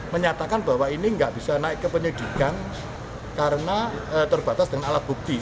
menyatakan bahwa ini nggak bisa naik ke penyidikan karena terbatas dengan alat bukti